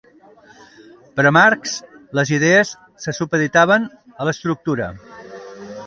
Per a Marx les idees se supeditaven a l'estructura.